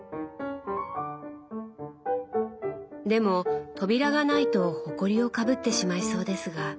でも扉がないとほこりをかぶってしまいそうですが。